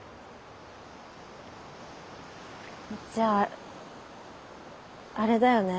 じゃああれだよね